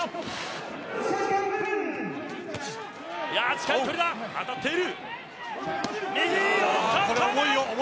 近い距離、当たっている。